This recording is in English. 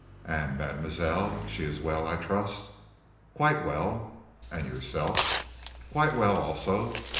"And mademoiselle? She is well, I trust?" "Quite well." "And yourself?" "Quite well, also.